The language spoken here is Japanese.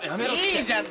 いいじゃん